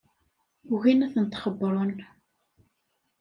Ugin ad tent-xebbren.